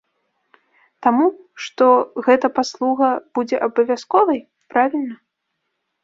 Таму, што гэта паслуга будзе абавязковай, правільна?